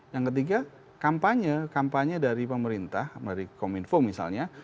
yang ketiga kampanye kampanye dari pemerintah dari kominfo misalnya